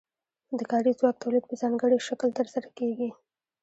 د کاري ځواک تولید په ځانګړي شکل ترسره کیږي.